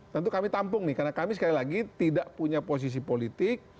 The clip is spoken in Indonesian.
tentu kami tampung nih karena kami sekali lagi tidak punya posisi politik